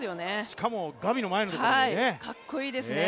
しかも、ガビの前のところでね。